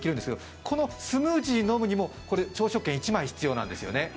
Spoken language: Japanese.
このスムージー飲むにも朝食券１枚要るんですよね。